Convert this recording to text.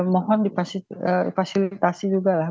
mohon difasilitasi juga lah